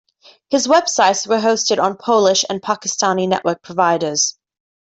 His web sites were hosted on Polish and Pakistani network providers.